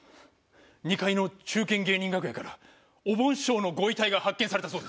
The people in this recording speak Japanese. ２階の中堅芸人楽屋からおぼん師匠のご遺体が発見されたそうです。